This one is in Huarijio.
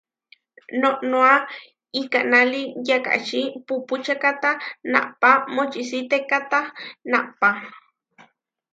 Noʼnóa ikanáli yakačí pupučékata naʼpá močisitekata naʼpá.